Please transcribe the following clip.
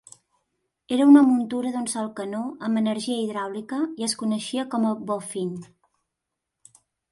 Era una muntura d'un sol canó amb energia hidràulica i es coneixia com a "Boffin".